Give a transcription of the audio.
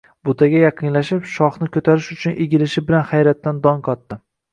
Butaga yaqinlashib, shoxni ko'tarish uchun egilishi bilan hayratdan dong qotdi.